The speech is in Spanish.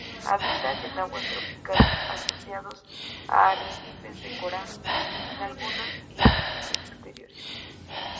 Habitan en aguas tropicales, asociados a arrecifes de coral, en lagunas y arrecifes exteriores.